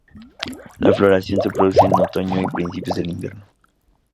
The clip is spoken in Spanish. La floración se produce en otoño y principios del invierno.